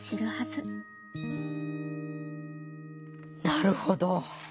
なるほど！